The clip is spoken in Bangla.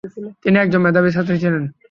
তিনি একজন মেধাবী ছাত্র ছিলেন।